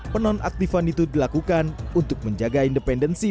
penonaktifan itu dilakukan untuk menjaga independensi